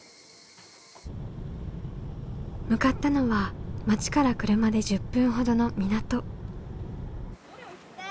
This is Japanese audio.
向かったのは町から車で１０分ほどの港。